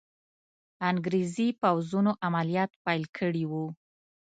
انګریزي پوځونو عملیات پیل کړي وو.